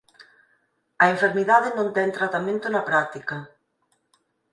A enfermidade non ten tratamento na práctica.